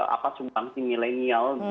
apa sumbangsi milenial